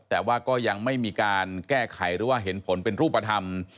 แต่ว่าก็ยังไม่มีการแก้ไขหรือว่าเห็นผลเป็นรูปธรรม